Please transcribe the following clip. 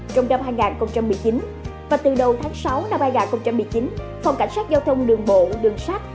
trong năm hai nghìn một mươi chín và từ đầu tháng sáu năm hai nghìn một mươi chín phòng cảnh sát giao thông đường bộ đường sát